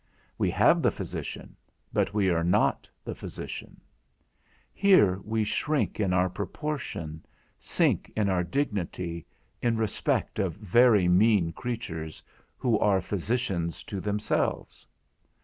We have the physician, but we are not the physician. Here we shrink in our proportion, sink in our dignity, in respect of very mean creatures, who are physicians to themselves.